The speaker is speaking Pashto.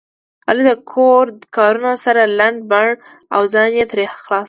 علي د کلي کور کارونه سره لنډ بنډ او ځان یې ترې خلاص کړ.